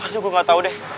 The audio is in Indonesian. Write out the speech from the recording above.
aduh gue gak tau deh